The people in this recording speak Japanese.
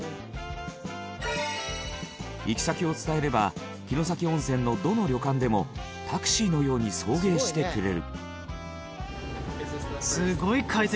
行き先を伝えれば城崎温泉のどの旅館でもタクシーのように送迎してくれる。